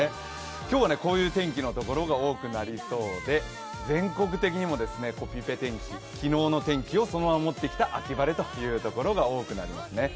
今日はこういう天気のところが多くなりそうで全国的にもコピペ天気、昨日の天気をそのまま持ってきた秋晴れというところが多くなりますね。